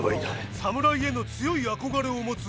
侍への強い憧れを持つイチ。